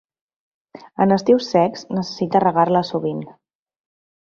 En estius secs necessita regar-la sovint.